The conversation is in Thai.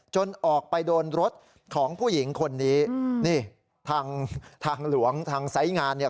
ออกไปโดนรถของผู้หญิงคนนี้นี่ทางทางหลวงทางไซส์งานเนี่ย